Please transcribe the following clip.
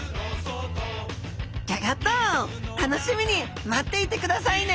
ギョギョッと楽しみに待っていてくださいね！